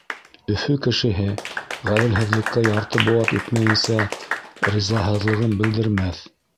Өфө кешеһе ғәҙелһеҙлеккә ярты быуат үтмәйенсә ризаһыҙлығын белдермәҫ.